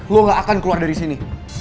lo gak akan keluar dari sini